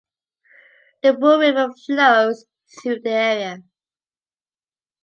The Brule River flows through the area.